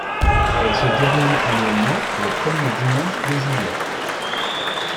Elle se déroule annuellement le premier dimanche de juillet.